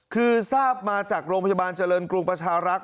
คือทราบมาจากโรงพยาบาลเจริญกรุงประชารักษ